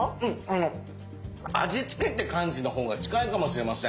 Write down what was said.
あの味つけって感じのほうが近いかもしれません。